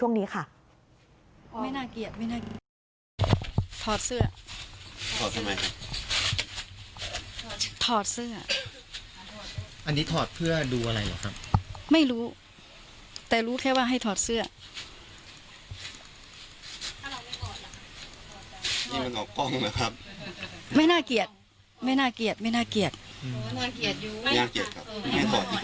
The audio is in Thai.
ไม่น่าเกลียดครับให้ถอดดีกว่าครับ